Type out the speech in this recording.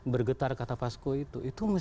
bergetar kata fasko itu